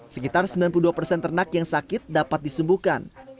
sekitar sembilan puluh dua persen ternak yang sakit dapat disembuhkan